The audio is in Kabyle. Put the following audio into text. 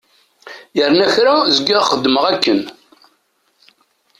Yerna kra zgiɣ xeddmeɣ akken.